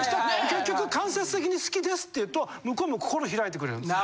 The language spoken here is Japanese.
結局間接的に「好きです」って言うと向こうも心開いてくれるんですよ。